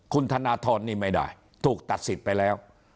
คุณธนทรนี่ไม่ได้ถูกตัดสิทธิ์ไปแล้ว